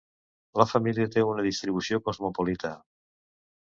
La família té una distribució cosmopolita.